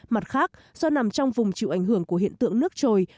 mặt khác do nằm trong vùng chịu ảnh hưởng của hiện tượng nước trồi